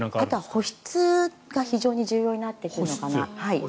保湿が非常に重要になってくるのかな。